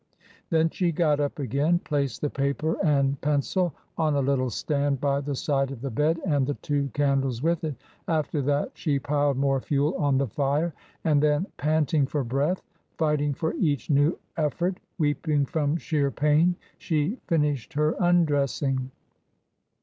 Then she got up again, placed the paper 26 302 TRANSITION. and pencil on a little stand by the side of the bed and the two candles with it ; after that she piled more fuel on the fire, and then — ^panting for breath, fighting for each new effort, weeping from sheer pain— she finished her undressing.